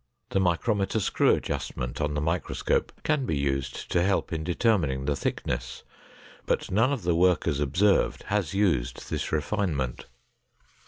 The micrometer screw adjustment on the microscope can be used to help in determining the thickness, but none of the workers observed has used this refinement.